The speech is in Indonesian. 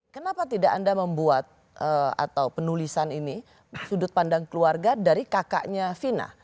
kenapa tidak anda membuat atau penulisan ini sudut pandang keluarga dari kakaknya vina